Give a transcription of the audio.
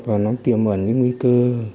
và nó tiềm ẩn nguy cơ